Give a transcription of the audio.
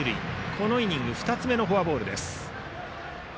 このイニング２つ目のフォアボール。